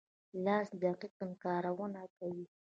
لاس دقیق کارونه کوي.